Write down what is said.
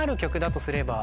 とすれば